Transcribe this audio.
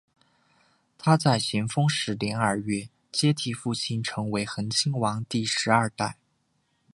他在咸丰十年二月接替父亲成为恒亲王第十二代。